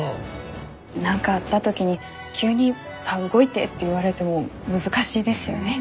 何かあった時に急に「さあ動いて」って言われても難しいですよね。